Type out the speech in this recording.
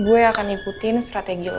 gue akan ikutin strategi lu